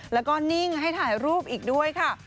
แล้วก็นิ่งให้ถ่ายรูปอีกด้วยค่ะ